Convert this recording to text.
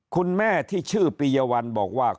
คุณแม่ที่ชื่อปียวัลบอกว่า